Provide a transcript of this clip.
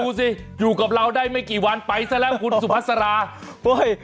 ดูสิอยู่กับเราได้ไม่กี่วันไปซะแล้วคุณสุพัสราเฮ้ย